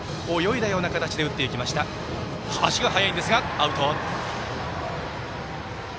足が速いんですが、アウト。